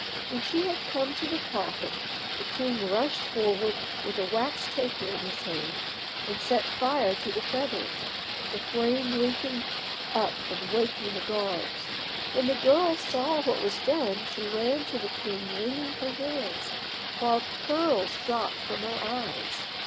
When she had come to the coffin the king rushed forward with a wax taper in his hand and set fire to the feathers, the flame leaping up and waking the guards. When the girl saw what was done she ran to the king wringing her hands, while pearls dropped from her eyes.